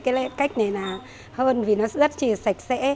cái cách này là hơn vì nó rất là sạch sẽ